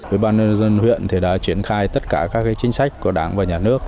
ủy ban nhân dân huyện đã triển khai tất cả các chính sách của đảng và nhà nước